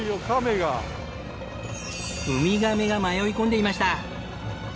ウミガメが迷い込んでいました。